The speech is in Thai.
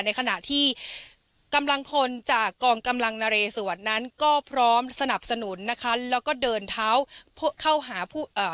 ในขณะที่กำลังพลจากกองกำลังนเรสวรนั้นก็พร้อมสนับสนุนนะคะแล้วก็เดินเท้าเข้าหาผู้เอ่อ